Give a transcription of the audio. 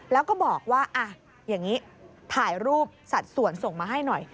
แล้วก็บอกว่าอย่างนี้ถ่ายรูปสัดส่วนส่งมาให้หน่อย